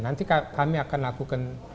nanti kami akan lakukan